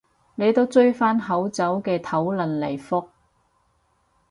你都追返好早嘅討論嚟覆